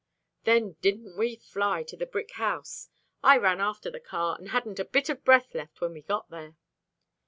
Then didn't we fly to the brick house. I ran after the car, and hadn't a bit of breath left when we got there.